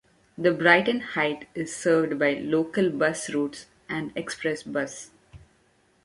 Brighton Heights is served by local bus routes and the express bus.